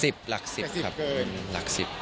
สิบหลักอย่างนี้ครับหลักสิบ